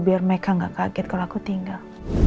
biar mereka gak kaget kalau aku tinggal